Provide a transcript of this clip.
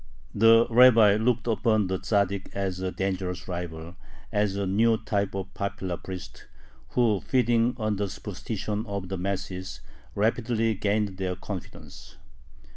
The rabbi looked upon the Tzaddik as a dangerous rival, as a new type of popular priest, who, feeding on the superstition of the masses, rapidly gained their confidence.